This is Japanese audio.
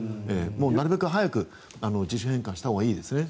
なるべく早く自主返還したほうがいいですね。